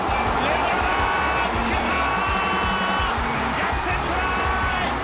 逆転トライ！